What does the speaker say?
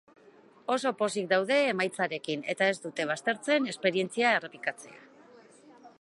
Oso pozik daude emaitzarekin eta ez dute baztertzen esperientzia errepikatzea.